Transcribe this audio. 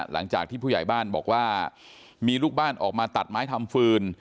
หลังจากที่ผู้ใหญ่บ้านบอกว่ามีลูกบ้านออกมาตัดไม้ทำฟืน